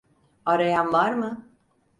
Arayan var mı?